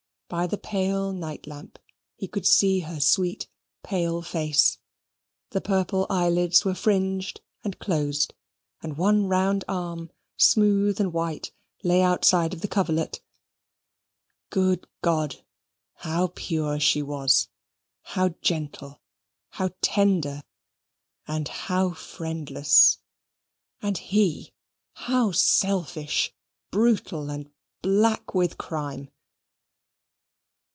By the pale night lamp he could see her sweet, pale face the purple eyelids were fringed and closed, and one round arm, smooth and white, lay outside of the coverlet. Good God! how pure she was; how gentle, how tender, and how friendless! and he, how selfish, brutal, and black with crime!